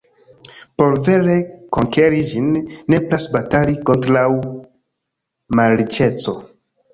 Por vere konkeri ĝin, nepras batali kontraŭ malriĉeco.